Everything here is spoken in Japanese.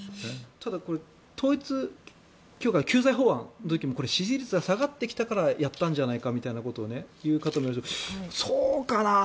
ただ、統一教会の救済法案の時も支持率が下がってきたからやったんじゃないかということを言う方もいるけど、そうかな？